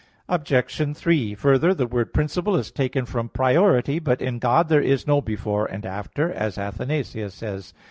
Obj. 3: Further, the word principle is taken from priority. But in God there is no "before" and "after," as Athanasius says.